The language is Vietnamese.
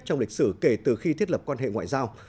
trong lịch sử kể từ khi thiết lập quan hệ ngoại giao